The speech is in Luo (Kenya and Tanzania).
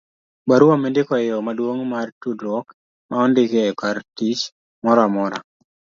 barua mindiko e yo maduong' mar tudruok ma ondiki e kartich moramora